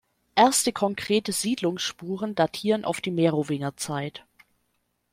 Erste konkrete Siedlungsspuren datieren auf die Merowingerzeit.